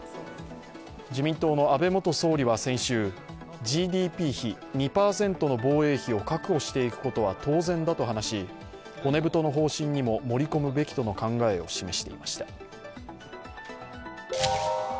自民党の安倍元総理は先週ＧＤＰ比２％の防衛費を確保していくことは当然だと話し、骨太の方針にも盛り込むべきとの考えを示していました。